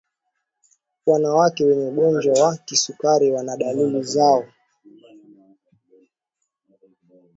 Wanawake wenye ugonjwa wa kisukari wana dalili zao